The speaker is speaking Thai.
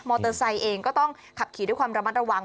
เตอร์ไซค์เองก็ต้องขับขี่ด้วยความระมัดระวัง